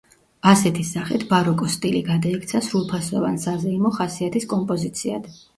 ასეთი სახით ბაროკოს სტილი გადაიქცა სრულფასოვან, საზეიმო ხასიათის კომპოზიციად.